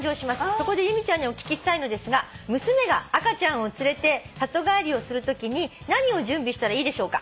「そこで由美ちゃんにお聞きしたいのですが娘が赤ちゃんを連れて里帰りをするときに何を準備したらいいでしょうか？」